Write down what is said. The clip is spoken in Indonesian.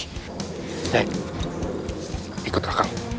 nek ikutlah kamu